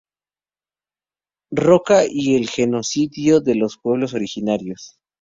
Roca y el genocidio de los pueblos originarios".